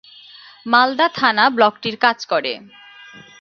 মালদা থানা ব্লকটির কাজ করে।